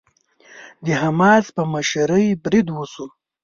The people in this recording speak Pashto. د حماس په مشرۍ بريد وشو.